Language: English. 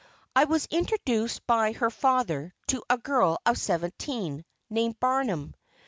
I was introduced by her father to a girl of seventeen, named Barnum.